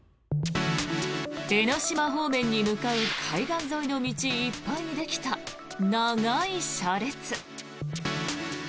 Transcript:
江の島方面に向かう海岸線沿いの道いっぱいにできた長い車列。